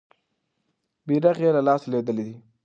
بیرغ یې له لاسه لویدلی دی.